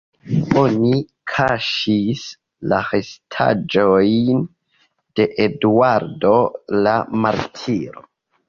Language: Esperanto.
Oni kaŝis la restaĵojn de Eduardo la martiro.